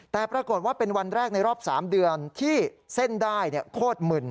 แต่ปรากฏว่าเป็นวันแรกในรอบ๓เดือนที่เส้นได้โคตรมึน